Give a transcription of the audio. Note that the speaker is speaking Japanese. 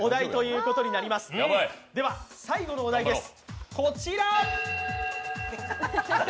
では最後のお題です。